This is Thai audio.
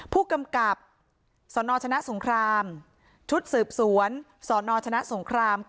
ผู้กำกับสนชนะสงครามชุดสืบสวนสนชนะสงคราม